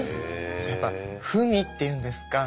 やっぱり文っていうんですか